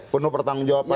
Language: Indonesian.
penuh pertanggung jawaban